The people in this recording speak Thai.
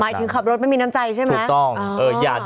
ถึงขับรถไม่มีน้ำใจใช่ไหม